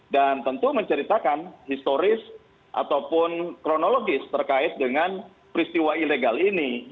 dan tentu menceritakan historis ataupun kronologis terkait dengan peristiwa ilegal ini